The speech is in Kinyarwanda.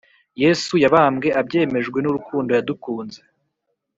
Yesu yabambwe abyemejwe nurukundo yadukunze